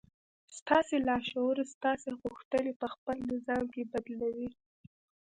ستاسې لاشعور ستاسې غوښتنې پهخپل نظام کې بدلوي